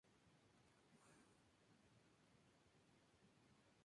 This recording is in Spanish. Para las representaciones de ballet diseñó trajes y sombreros.